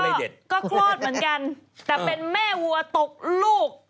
อันนี้ก็โคตรเหมือนกันแต่เป็นแม่วัวตกลูก